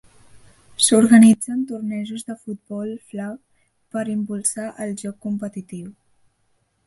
S'organitzen tornejos de futbol flag per impulsar el joc competitiu.